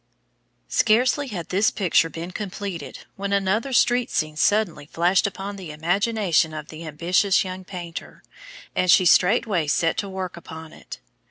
Scarcely had this picture been completed, when another street scene suddenly flashed upon the imagination of the ambitious young painter, and she straightway set to work upon it.